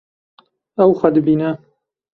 Ew xwe dibîne.